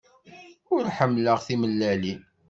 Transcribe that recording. Ur ḥemmleɣ timellalin.